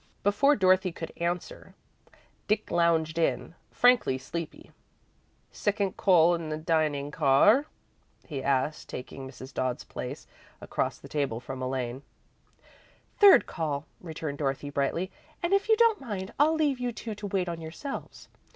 Before Dorothy could answer, Dick lounged in, frankly sleepy. "Second call in the dining car?" he asked, taking Mrs. Dodd's place, across the table from Elaine. "Third call," returned Dorothy, brightly, "and, if you don't mind, I'll leave you two to wait on yourselves."